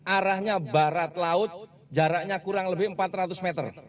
arahnya barat laut jaraknya kurang lebih empat ratus meter